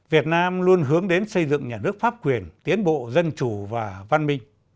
việt nam luôn hướng đến xây dựng nhà nước pháp quyền tiến bộ dân chủ và văn minh